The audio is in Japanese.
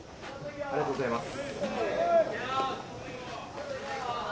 ありがとうございます。